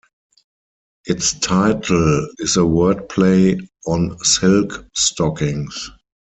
Its title is a wordplay on silk stockings.